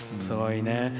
すごいね。